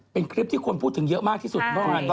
เป็นคลิปที่ควรพูดถึงเยอะมากที่สุด